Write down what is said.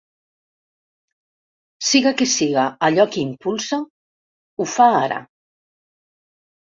Siga què siga allò que impulsa, ho fa ara.